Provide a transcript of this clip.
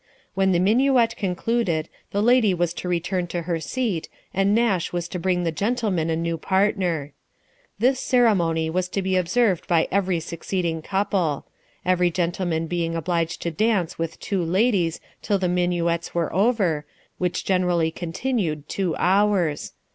When the minuet concluded, the lady was to return to her seat, and Nash was to bring the gentleman a new partner. This ceremony was to be observed by every succeeding couple ; every gentleman being obliged to dance with two ladies till the minuets were over, which generally continued two hours.